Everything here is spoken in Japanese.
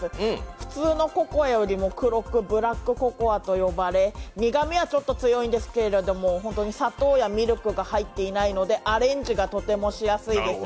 普通のココアよりも黒く、ブラックココアと呼ばれ、苦みはちょっと強いんですけど、本当に砂糖やミルクが入っていないのでアレンジがとてもしやすいです。